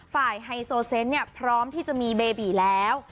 ฝ่ายไฮโซเซนต์พร้อมที่จะมีเบบีแล้ว